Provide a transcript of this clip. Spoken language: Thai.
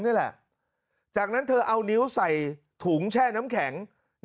นี่แหละจากนั้นเธอเอานิ้วใส่ถุงแช่น้ำแข็ง